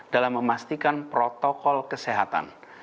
dalam memastikan protokol kesehatan